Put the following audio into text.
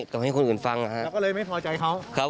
โรงผู้จำนานหายล่ะครับ